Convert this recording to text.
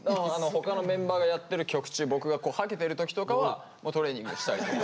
他のメンバーがやってる曲中僕がはけてる時とかはもうトレーニングしたりとか。